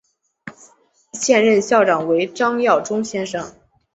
现任校长为张耀忠先生。